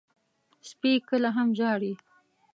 سپي کله هم ژاړي.